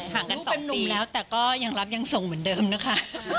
ห่างกัน๒ปีแล้วแต่ก็ยังรับยังส่งเหมือนเดิมนะคะ